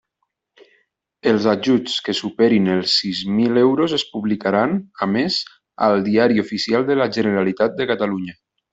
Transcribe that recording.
Els ajuts que superin els sis mil euros es publicaran, a més, al Diari Oficial de la Generalitat de Catalunya.